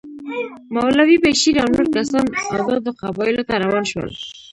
مولوي بشیر او نور کسان آزادو قبایلو ته روان شول.